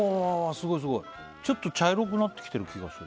すごいすごいちょっと茶色くなってきてる気がする